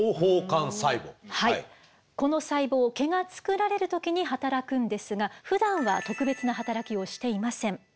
この細胞毛が作られる時に働くんですがふだんは特別な働きをしていません。